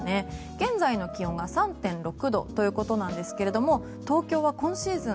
現在の気温が３．６度ということなんですが東京は今シーズン